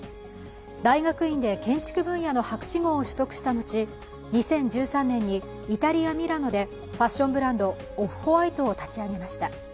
大学院で建築分野の博士号を取得した後２０１３年にイタリア・ミラノでファッションブランドオフ−ホワイトを立ち上げました。